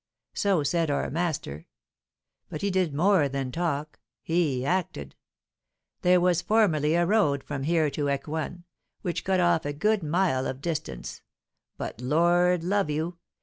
So said our master. But he did more than talk he acted. There was formerly a road from here to Ecouen, which cut off a good mile of distance, but, Lord love you!